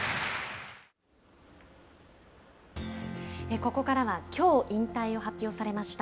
ここからはきょう引退を発表されました